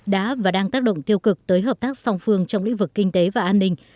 đã và đang tác động tiêu cực tới hợp tác song phương trong lĩnh vực kinh tế và an ninh